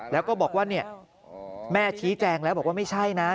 แล้วก็บอกว่าเนี่ยแม่ชี้แจงแล้วบอกว่าไม่ใช่นะ